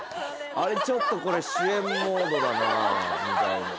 あれちょっとこれ主演モードだな」みたいな